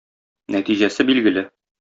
Нәтиҗәсе билгеле.